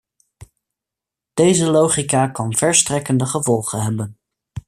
Deze logica kan verstrekkende gevolgen hebben.